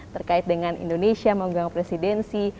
terkait dengan indonesia memegang presidensi